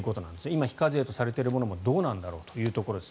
今、非課税とされているものもどうなんだろうということです。